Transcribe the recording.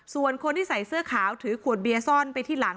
ส่วนคนที่ใส่เสื้อขาวถือขวดเบียร์ซ่อนไปที่หลัง